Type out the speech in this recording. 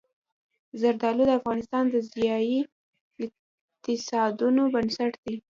زردالو د افغانستان د ځایي اقتصادونو بنسټ دی.